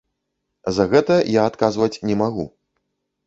За гэта я адказваць не магу.